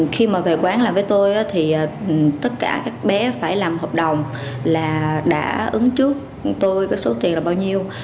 khi mà về quán làm với tôi thì tất cả các bé phải làm hợp đồng là đã ứng trước tôi cái số tiền là bao nhiêu